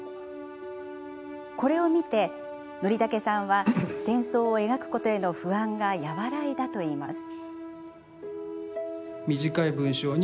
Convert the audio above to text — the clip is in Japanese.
これを見てＮｏｒｉｔａｋｅさんは戦争を描くことへの不安が和らいだといいます。